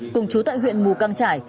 cùng trú tại huyện mù căm trải